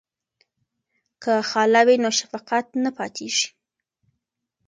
که خاله وي نو شفقت نه پاتیږي.